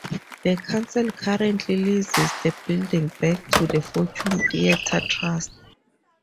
The council currently leases the building back to the Fortune Theatre Trust.